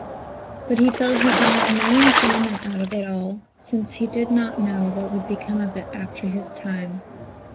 But he felt he could have no enjoyment out of it all, since he did not know what would become of it after his time.